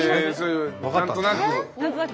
何となく？